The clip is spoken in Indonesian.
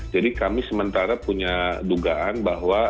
jadi kami sementara punya dugaan bahwa